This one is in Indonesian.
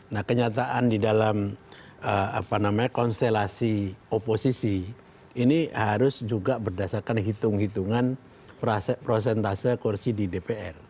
nah kenyataan di dalam konstelasi oposisi ini harus juga berdasarkan hitung hitungan prosentase kursi di dpr